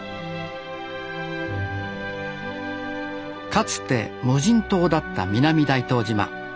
かつて無人島だった南大東島。